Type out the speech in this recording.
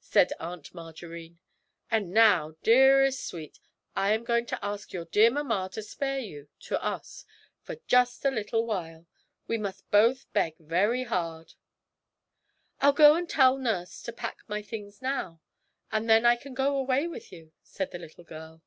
said Aunt Margarine, 'and now, dearest sweet, I am going to ask your dear mamma to spare you to us for just a little while; we must both beg very hard.' 'I'll go and tell nurse to pack my things now, and then I can go away with you,' said the little girl.